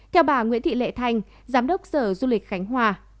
theo bà nguyễn thị lệ thành giám đốc sở du lịch khánh hòa